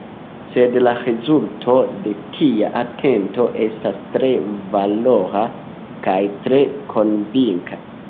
Sed la rezulto de tia atento estas tre valora – kaj tre konvinka.